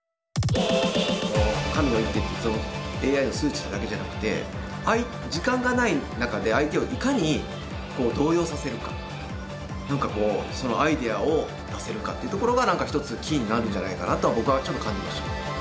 神の一手ってそのＡＩの数値ってだけじゃなくて時間がない中で相手をいかに動揺させるか何かこうそのアイデアを出せるかというところが何か一つキーになるんじゃないかなとは僕はちょっと感じました。